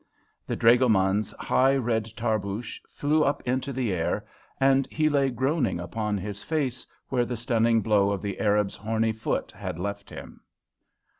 The dragoman's high red tarboosh flew up into the air, and he lay groaning upon his face where the stunning blow of the Arab's horny foot had left him.